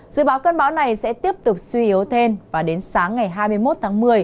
dự báo cơn bão này sẽ tiếp tục suy yếu thêm và đến sáng ngày hai mươi một tháng một mươi